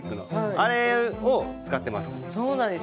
あれを使ってます。